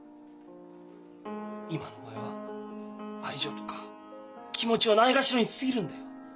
今のお前は愛情とか気持ちをないがしろにしすぎるんだよ。